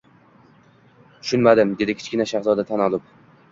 — Tushunmadim, — dedi Kichkina shahzoda tan olib.